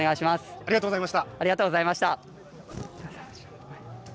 ありがとうございます。